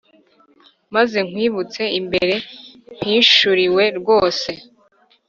Maze nkwikubite imbere mpishurirwe rwose